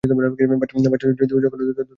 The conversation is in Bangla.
বাচ্চা যখন পথ হারিয়ে ফেলে, তখন আরও বেশি কষ্ট হয়।